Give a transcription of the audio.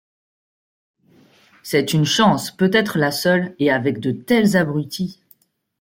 C’est une chance, peut-être la seule, et avec de tels abrutis!...